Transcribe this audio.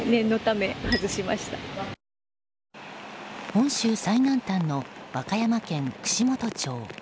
本州最南端の和歌山県串本町。